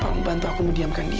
tolong bantu aku mendiamkan dia